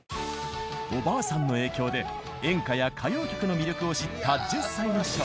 おばあさんの影響で演歌や歌謡曲の魅力を知った１０歳の少女。